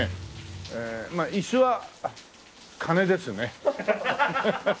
まあ椅子は金ですね。